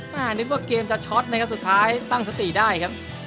นึกว่าเกมจะช็อตนะครับสุดท้ายตั้งสติได้ครับ